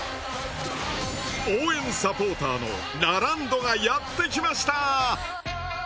応援サポーターのラランドがやってきました！